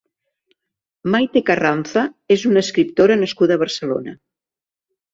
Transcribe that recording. Maite Carranza és una escriptora nascuda a Barcelona.